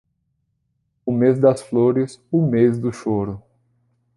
O mês das flores, o mês do choro.